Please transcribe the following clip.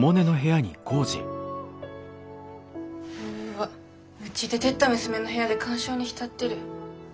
うっわうち出でった娘の部屋で感傷に浸ってる。